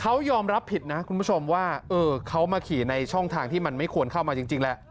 เขายอมรับผิดนะคุณผู้ชมว่าเขามาขี่ในช่องทางที่มันไม่ควรเข้ามาจริงแหละ